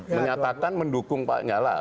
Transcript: menyatakan mendukung pak nyalah